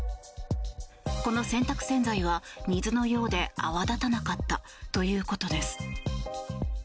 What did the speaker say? この洗濯洗剤は水のようで泡立たなかったということです。